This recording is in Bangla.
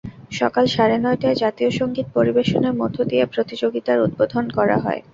সকাল সাড়ে নয়টায় জাতীয় সংগীত পরিবেশনের মধ্য দিয়ে প্রতিযোগিতার উদ্বোধন করা হয়।